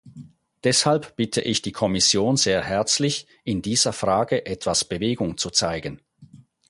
Deshalb bitte ich die Kommission sehr herzlich, in dieser Frage etwas Bewegung zu zeigen.